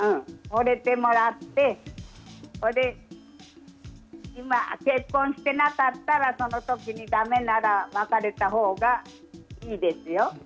ほれてもらって今、結婚してなかったらそのときにだめなら別れたほうがいいですよ。